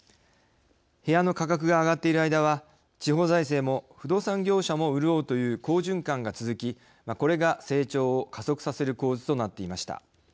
部屋の価格が上がっている間は地方財政も不動産業者も潤うという好循環が続きこれが成長を加速させる構図となっていました。